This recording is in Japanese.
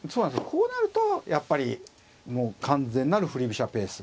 こうなるとやっぱりもう完全なる振り飛車ペース